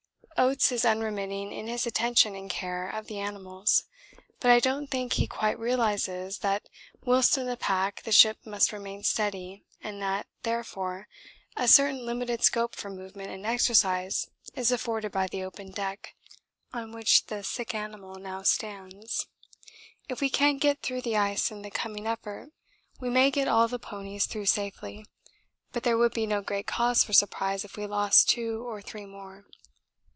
Oates is unremitting in his attention and care of the animals, but I don't think he quite realises that whilst in the pack the ship must remain steady and that, therefore, a certain limited scope for movement and exercise is afforded by the open deck on which the sick animal now stands. If we can get through the ice in the coming effort we may get all the ponies through safely, but there would be no great cause for surprise if we lost two or three more.